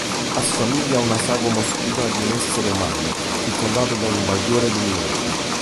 Assomiglia a una sagoma oscura di un essere umano, circondata da un bagliore luminoso.